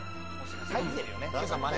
入ってるよね。